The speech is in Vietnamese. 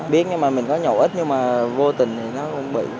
biết mà mình có nhậu ít nhưng mà vô tình thì nó cũng bị